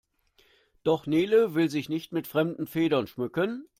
Doch Nele will sich nicht mit fremden Federn schmücken.